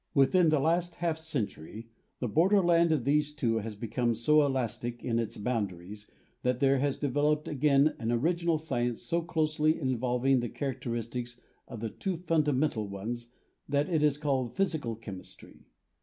Within the last half century the border land of these two has become so elastic in its boundaries, that there has developed again an original science so closely involving the characteristics of the two fundamen tal ones that it is called physical chemistry.